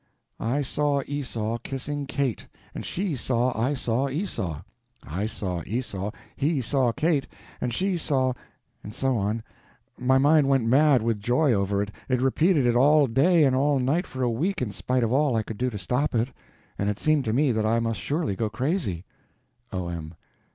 "I saw Esau kissing Kate, And she saw I saw Esau; I saw Esau, he saw Kate, And she saw—" And so on. My mind went mad with joy over it. It repeated it all day and all night for a week in spite of all I could do to stop it, and it seemed to me that I must surely go crazy. O.M.